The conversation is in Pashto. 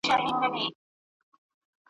یمه او که نه یم په نامه به د جانان یمه `